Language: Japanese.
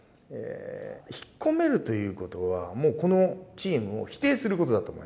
引っ込めるという事はもうこのチームを否定する事だと思いました。